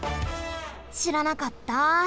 しらなかった！